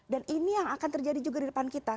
dan ini yang akan terjadi juga di depan kita